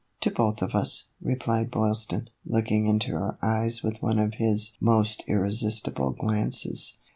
" To both of us," replied Boylston, looking into her eyes with one of his most irresistible glances.